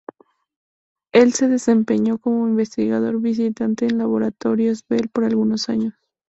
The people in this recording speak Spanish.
Él se desempeñó como investigador visitante en Laboratorios Bell por algunos años.